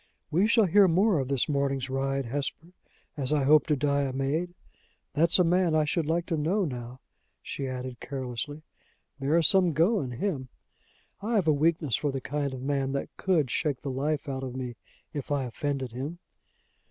We shall hear more of this morning's ride, Hesper, as I hope to die a maid! That's a man I should like to know now," she added, carelessly. "There is some go in him! I have a weakness for the kind of man that could shake the life out of me if I offended him."